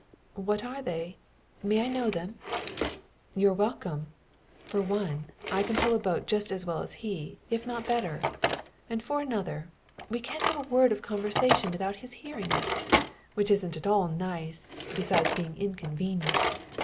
"What are they? May I know them?" "You're welcome. For one, I can pull a boat just as well as he, if not better. And for another, we can't have a word of conversation without his hearing it which isn't at all nice, besides being inconvenient.